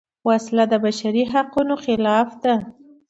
وسله د بشري حقونو خلاف ده